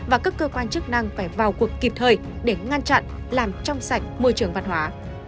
và các cơ quan chức năng phải vào cuộc kịp thời để ngăn chặn làm trong sạch môi trường văn hóa